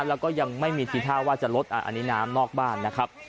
แล้วก็ยังไม่มีทีท่าว่าจะลดอันนี้น้ำนอกบ้านนะครับ